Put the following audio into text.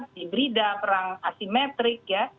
di brida perang asimetrik ya